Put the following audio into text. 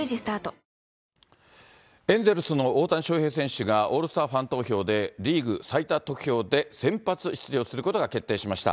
新「ＥＬＩＸＩＲ」オールスターファン投票で、リーグ最多得票で先発出場することが決定しました。